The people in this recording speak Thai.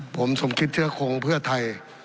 ผมสมคิดเชื้อคงเพื่อไทย